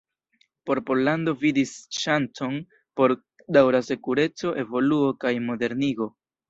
Por Pollando vidis ŝancon por daŭra sekureco, evoluo kaj modernigo.